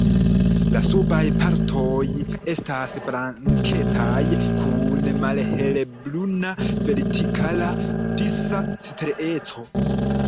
La subaj partoj estas blankecaj kun malhelbruna vertikala disa strieco.